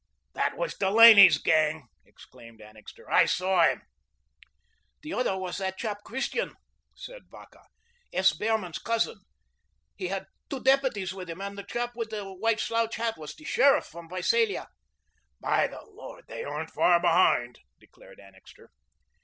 "That was Delaney's gang," exclaimed Annixter. "I saw him." "The other was that chap Christian," said Vacca, "S. Behrman's cousin. He had two deputies with him; and the chap in the white slouch hat was the sheriff from Visalia." "By the Lord, they aren't far behind," declared Annixter.